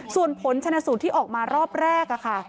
ส่วนผลชนะสูตรที่ออกมารอบแรกค่ะ